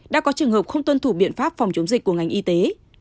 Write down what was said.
trong trường hợp không tuân thủ biện pháp phòng chống dịch của ngành y tế